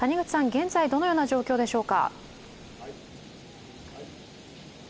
どのような状況でしょうか。